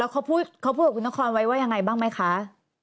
เขาพูดกับคุณนครไว้ว่ายังไงบ้างไหมคะ